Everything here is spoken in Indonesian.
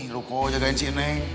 lu kok jagain sini